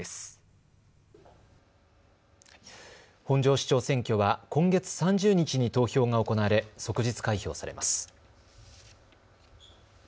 本庄市長選挙は今月３０日に投票が行われ即日開票されます。